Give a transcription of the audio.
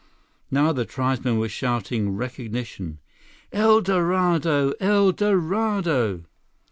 Now the tribesmen were shouting recognition: "El Dorado! El Dorado!"